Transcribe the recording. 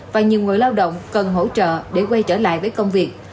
và nhiều người lao động cần hỗ trợ để quay trở lại với công việc